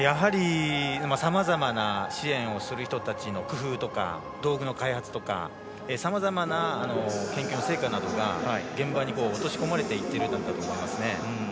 さまざまな支援をする人たちの工夫とか道具の開発とかさまざまな研究の成果などが現場に落とし込まれていくようになったと思います。